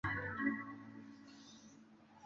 kwa hiyo wamama wa vijana ambao hawakuzoea vurugu